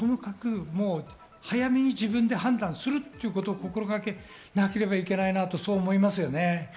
早めに自分で判断することを心がけなければいけないと思いますね。